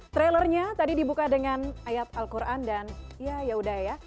trailernya tadi dibuka dengan ayat al quran dan ya yaudah ya